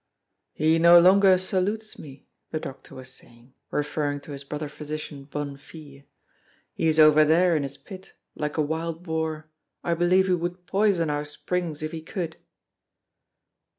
"He no longer salutes me," the doctor was saying, referring to his brother physician Bonnefille. "He is over there in his pit, like a wild boar. I believe he would poison our springs, if he could!"